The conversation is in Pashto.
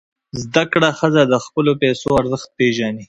زده کړه ښځه د خپلو پیسو ارزښت پېژني.